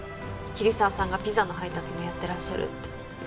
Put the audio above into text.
桐沢さんがピザの配達もやってらっしゃるって。